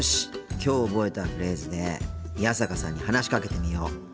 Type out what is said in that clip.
きょう覚えたフレーズで宮坂さんに話しかけてみよう。